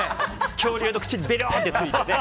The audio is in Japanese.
恐竜の口にべろんってついてね。